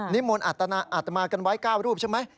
นิมมนต์อัตมากันไว้๙รูปใช่ไหม